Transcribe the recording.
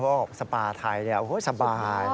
เพราะว่าสปาไทยโอ้โฮสบาย